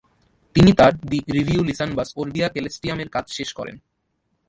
তিনি তার “দি রিভিউলিসানবাস ওরবিয়া কেলেসটিয়াম” এর কাজ শেষ করেন।